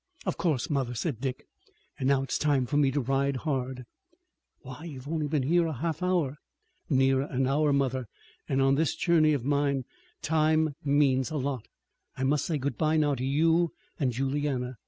"Of course, mother," said Dick, "and now it's time for me to ride hard." "Why, you have been here only a half hour!" "Nearer an hour, mother, and on this journey of mine time means a lot. I must say good bye now to you and Juliana."